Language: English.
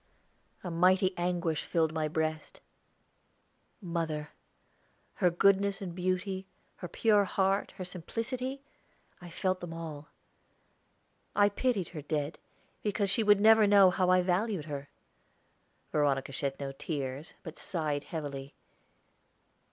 A mighty anguish filled my breast. Mother! her goodness and beauty, her pure heart, her simplicity I felt them all. I pitied her dead, because she would never know how I valued her. Veronica shed no tears, but sighed heavily.